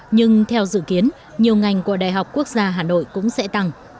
nhưng theo dự kiến nhiều ngành của đại học quốc gia hà nội cũng sẽ tăng